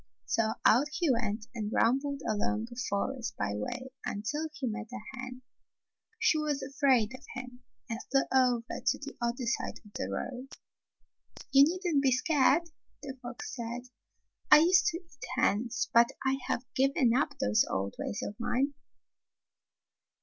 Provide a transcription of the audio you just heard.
So out he went and rambled along a forest byway imtil he met a hen. She was afraid of him and flew over to the other side of the road. "You needn't be scared," the fox said. "I used to eat hens, but I have given up those old ways of mine."